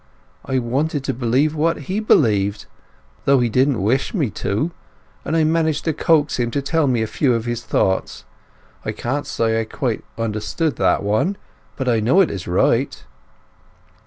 "I wanted to believe what he believed, though he didn't wish me to; and I managed to coax him to tell me a few of his thoughts. I can't say I quite understand that one; but I know it is right."